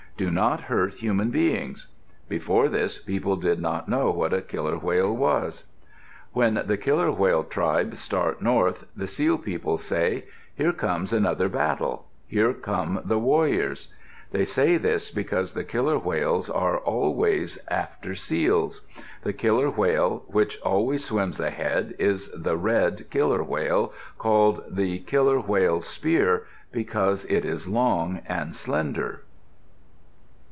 Do not hurt human beings." Before this people did not know what a killer whale was. When the Killer whale tribe start north, the Seal People say, "Here comes another battle. Here come the warriors." They say this because the killer whales are always after seals. The killer whale which always swims ahead is the red killer whale, called the "killer whale spear" because it is long and slender.